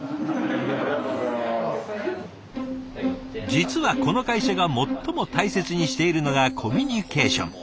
実はこの会社が最も大切にしているのがコミュニケーション。